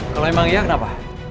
kalau emang iya kenapa